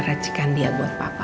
racikan dia buat papa